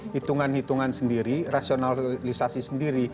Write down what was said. hitungan hitungan sendiri rasionalisasi sendiri